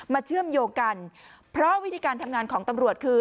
เชื่อมโยงกันเพราะวิธีการทำงานของตำรวจคือ